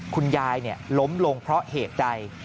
คุณยายล้มลงเพราะเหตุใด